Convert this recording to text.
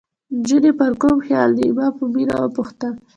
نجونې پر کوم خیال دي؟ ما په مینه وپوښتل.